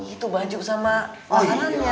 itu baju sama makanan nya